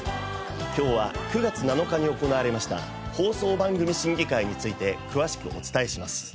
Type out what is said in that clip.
今日は９月７日に行われました放送番組審議会について詳しくお伝えします。